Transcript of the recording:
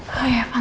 oh ya pantas